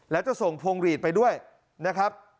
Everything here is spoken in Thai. แล้วจะส่งพวงหลีดไปด้วยนะครับ